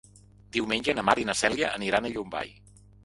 Diumenge na Mar i na Cèlia aniran a Llombai.